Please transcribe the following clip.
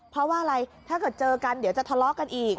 เพราะว่าอะไรถ้าเกิดเจอกันเดี๋ยวจะทะเลาะกันอีก